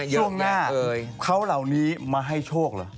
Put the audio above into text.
ช่วงหน้าเขาเหล่านี้มาให้โชคเหรอ